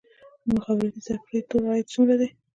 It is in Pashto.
د مخابراتي سکتور عاید څومره دی؟